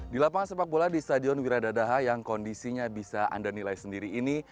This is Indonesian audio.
di lapangan sepak bola di stadion wiradadaha yang kondisinya bisa anda nilai sendiri ini